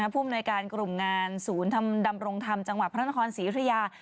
ผู้บุญการกลุ่มงานศูนย์ดำโรงทำจังหวัดพระนครศรีอยุธยา